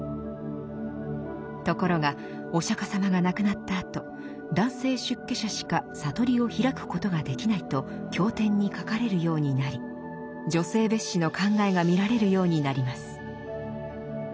ところがお釈迦様が亡くなったあと男性出家者しか覚りを開くことができないと経典に書かれるようになり女性蔑視の考えが見られるようになります。